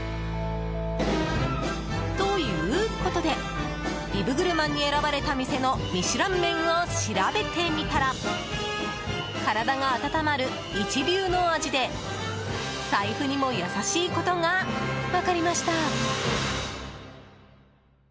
ということで「ビブグルマン」に選ばれた店のミシュラン麺を調べてみたら体が温まる一流の味で財布にも優しいことが分かりました。